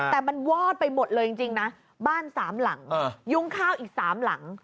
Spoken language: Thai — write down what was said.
แต่มันวอดไปหมดเลยจริงนะบ้านสามหลังยุ้งข้าวอีก๓หลัง